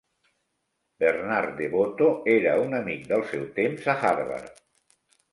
Bernard DeVoto era un amic del seu temps a Harvard.